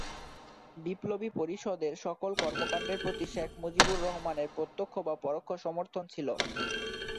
বিপ্লবী পরিষদের সকল কর্মকাণ্ডের প্রতি শেখ মুজিবুর রহমানের প্রত্যক্ষ বা পরোক্ষ সমর্থন ছিল।